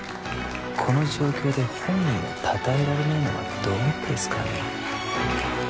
この状況で本人をたたえられないのはどうですかね